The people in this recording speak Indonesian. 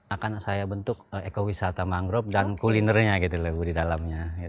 akan saya bentuk ekowisata mangrove dan kulinernya gitu loh di dalamnya